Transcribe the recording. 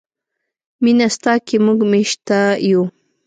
مینه ستا کې موږ میشته یو.